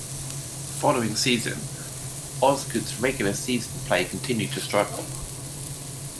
The following season, Osgood's regular season play continued to struggle.